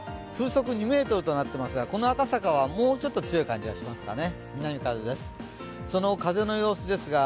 風速２メートルとなっていますが、この赤坂はもうちょっと強い感じがしますかね、南風です。